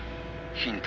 ヒント！？